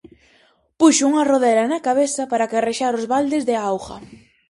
Puxo unha rodela na cabeza para carrexar os baldes de auga.